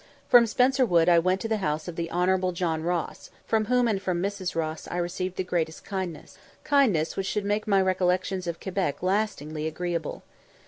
From Spencer Wood I went to the house of the Hon. John Ross, from whom and from Mrs. Ross I received the greatest kindness kindness which should make my recollections of Quebec lastingly agreeable.